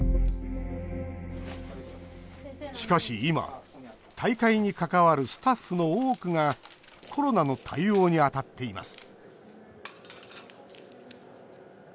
しかし今、大会に関わるスタッフの多くがコロナの対応に当たっています